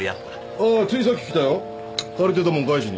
ああついさっき来たよ。借りてたもん返しに。